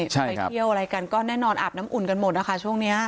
ไปเที่ยวอะไรกันก็แน่นอนอาบน้ำอุ่นกันหมดนะคะช่วงนี้